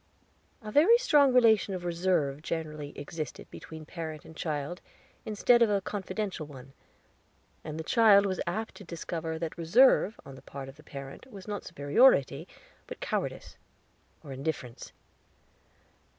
A very strong relation of reserve generally existed between parent and child, instead of a confidential one, and the child was apt to discover that reserve on the part of the parent was not superiority, but cowardice, or indifference.